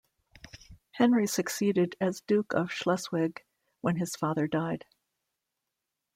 Henry succeeded as Duke of Schleswig when his father died.